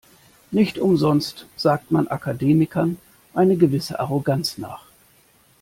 Nicht umsonst sagt man Akademikern eine gewisse Arroganz nach.